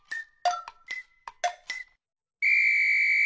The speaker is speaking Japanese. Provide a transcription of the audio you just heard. ピッ！